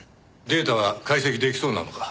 データは解析出来そうなのか？